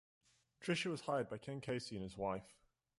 Tricia was hired by Ken Casey and his wife.